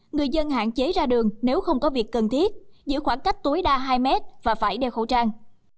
người dân hạn chế ra đường nếu không có việc cần thiết giữ khoảng cách tối đa hai mét và phải đeo khẩu trang